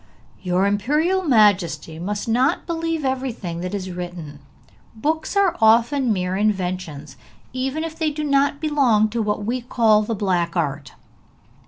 'Your imperial majesty must not believe everything that is written; books are often mere inventions, even if they do not belong to what we call the black art!'